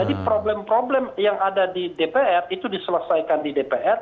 jadi problem problem yang ada di dpr itu diselesaikan di dpr